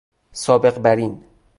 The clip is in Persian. سابق براین